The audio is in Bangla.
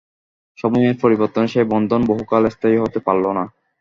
সময়ের পরিবর্তনে সে বন্ধন বহুকাল স্থায়ী হতে পারল না।